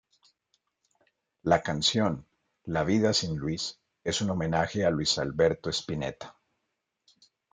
La canción "La vida sin Luis" es un homenaje a Luis Alberto Spinetta.